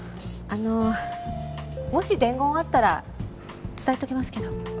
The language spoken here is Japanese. あのもし伝言あったら伝えときますけど。